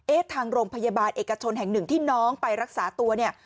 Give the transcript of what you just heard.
ทางโรงพยาบาลเอกชนแห่งหนึ่งที่น้องไปรักษาตัวเนี่ย